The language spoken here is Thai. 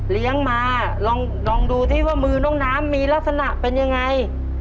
เลี้ยงมาลองดูซิว่ามือน้องน้ำมีลักษณะเป็นยังไง